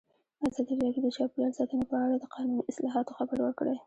ازادي راډیو د چاپیریال ساتنه په اړه د قانوني اصلاحاتو خبر ورکړی.